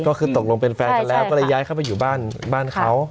ก็คือตกลงเป็นแฟนกันแล้วก็เลยย้ายเข้าไปอยู่บ้านเขา